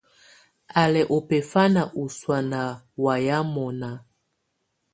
Á lɛ̀ ù bɛ̀fanɛ̀ ù sɔ̀á nà waya mɔ̀na.